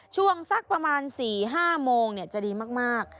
ช่วงสักประมาณ๔๕โมงจะดีมาก